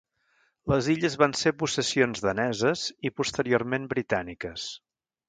Les illes van ser possessions daneses i, posteriorment, britàniques.